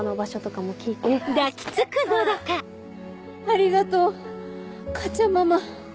ありがとうカッちゃんママ。